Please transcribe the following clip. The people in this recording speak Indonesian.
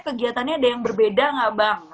kegiatannya ada yang berbeda nggak bang